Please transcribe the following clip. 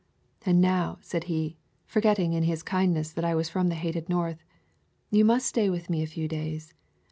"And now," said he, forgetting in his kindness that I was from the hated North, "you must stay with me a few days.